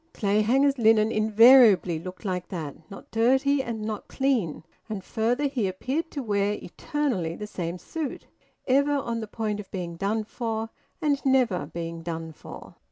Clayhanger's linen invariably looked like that, not dirty and not clean; and further, he appeared to wear eternally the same suit, ever on the point of being done for and never being done for.